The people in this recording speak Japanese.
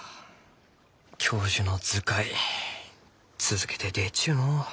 教授の「図解」続けて出ちゅうのう。